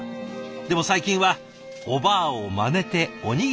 でも最近はおばあをまねておにぎりを。